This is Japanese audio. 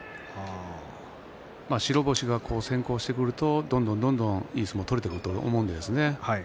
白星が先行してくるとどんどんどんどん、いい相撲が取れてくると思うんですね。